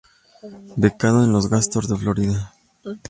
Becado en los Gators de Florida.